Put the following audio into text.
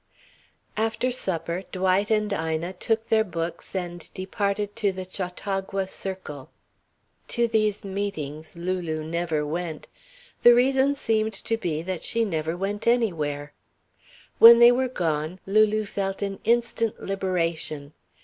After supper Dwight and Ina took their books and departed to the Chautauqua Circle. To these meetings Lulu never went. The reason seemed to be that she never went anywhere. When they were gone Lulu felt an instant liberation.